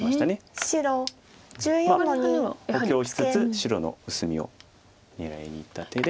補強しつつ白の薄みを狙いにいった手で。